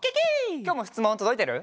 きょうもしつもんとどいてる？